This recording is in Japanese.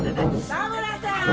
・佐村さん。